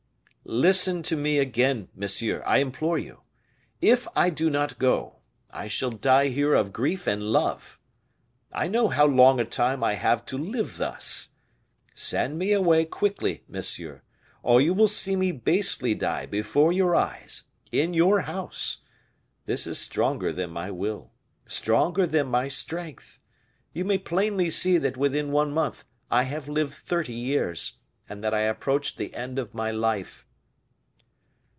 "Listen to me again, monsieur, I implore you. If I do not go, I shall die here of grief and love. I know how long a time I have to live thus. Send me away quickly, monsieur, or you will see me basely die before your eyes in your house this is stronger than my will stronger than my strength you may plainly see that within one month I have lived thirty years, and that I approach the end of my life."